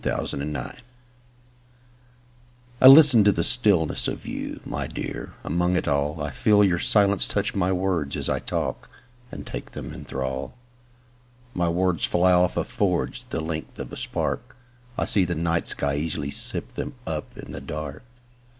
Listening I LISTEN to the stillness of you, My dear, among it all;I feel your silence touch my words as I talk, And take them in thrall.My words fly off a forgeThe length of a spark;I see the night sky easily sip themUp in the dark.